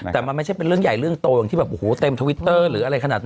แต่มันไม่ใช่เป็นเรื่องใหญ่เรื่องโตที่โหเต็มทวิตเตอร์